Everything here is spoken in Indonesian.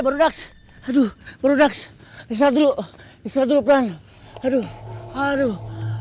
hebat aduh berdaksa dulu istra dulu kan aduh aduh aduh